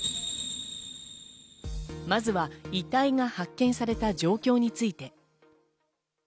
まずは遺体が発見された状況について。